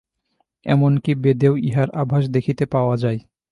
এমন কি বেদেও ইহার আভাস দেখিতে পাওয়া যায়।